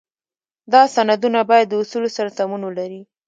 دا سندونه باید د اصولو سره سمون ولري.